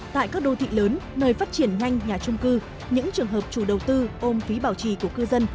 tại các đô thị lớn nơi phát triển nhanh nhà trung cư những trường hợp chủ đầu tư ôm phí bảo trì của cư dân